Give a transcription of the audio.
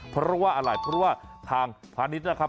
เพราะว่าอะไรเพราะว่าทางพาณิชย์นะครับ